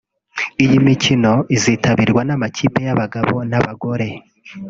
Iyi mikino izitabirwa n’amakipe y’abagabo n’abagore